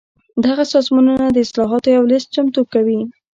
دغه سازمانونه د اصلاحاتو یو لېست چمتو کوي.